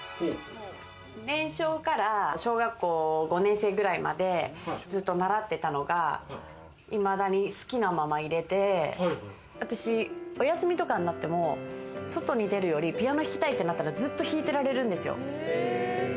年少から小学校５年生くらいまで、ずっと習ってたのが、いまだに好きなままいれて、私、お休みとかになっても外に出るよりピアノ弾きたいってなったらずっと弾いてられるんですよ。